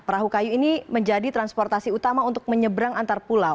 perahu kayu ini menjadi transportasi utama untuk menyeberang antar pulau